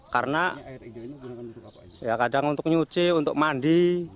karena kadang untuk mencuci untuk mandi